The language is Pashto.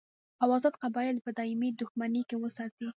او ازاد قبایل په دایمي دښمنۍ کې وساتي.